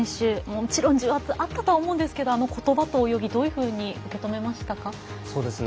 もちろん重圧あったと思うんですが、ことばと泳ぎどういうふうに受け止めましたか。